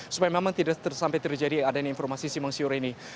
supaya memang tidak sampai terjadi adanya informasi simang siur ini